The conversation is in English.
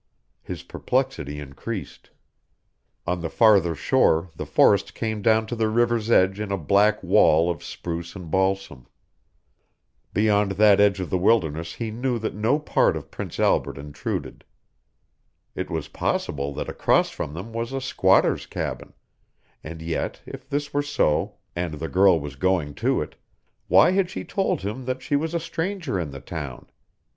His perplexity increased. On the farther shore the forest came down to the river's edge in a black wall of spruce and balsam. Beyond that edge of the wilderness he knew that no part of Prince Albert intruded. It was possible that across from them was a squatter's cabin; and yet if this were so, and the girl was going to it, why had she told him that she was a stranger in the town?